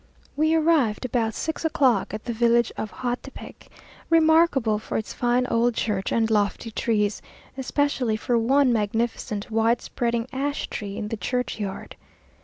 We arrived about six o'clock at the village of Hautepec, remarkable for its fine old church and lofty trees, especially for one magnificent wide spreading ash tree in the churchyard.